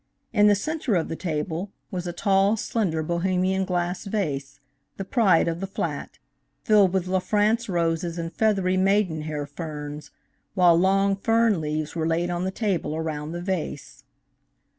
In the center of the table was a tall, slender Bohemian glass vase, the pride of the flat, filled with La France roses and feathery Maiden Hair ferns, while long fern leaves were laid on the table around the vase.